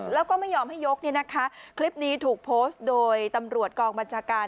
แล้วก็ไม่ยอมให้ยกเนี่ยนะคะคลิปนี้ถูกโพสต์โดยตำรวจกองบัญชาการ